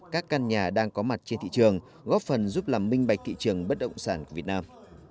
các căn nhà đang có mặt trên thị trường góp phần giúp làm minh bạch thị trường bất động sản của việt nam